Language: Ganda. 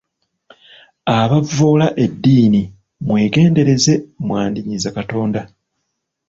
Abavvoola eddiini mwegendereze mwandinyiiza Katonda.